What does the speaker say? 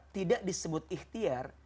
tidak disebut ikhtiar